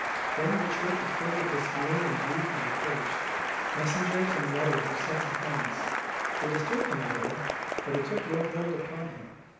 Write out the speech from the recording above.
Then the church was filled with dismay and grief and reproach. Messengers and letters were sent to Hermas. They disturbed him a little, but they took no hold upon him.